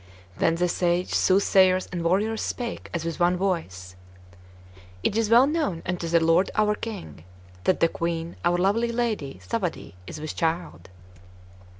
Then the sages, soothsayers, and warriors spake as with one voice: "It is well known unto the lord our King, that the Queen, our lovely lady Thawadee, is with child.